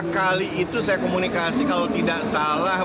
kali itu saya komunikasi kalau tidak salah